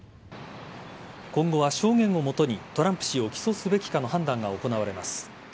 今後は証言を基にトランプ氏を起訴すべきかの判断が行われます。